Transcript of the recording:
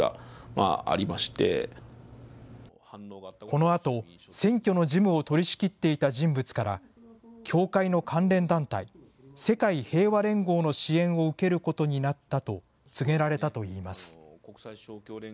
このあと、選挙の事務を取りしきっていた人物から、教会の関連団体、世界平和連合の支援を受けることになったと、告げられたといいます。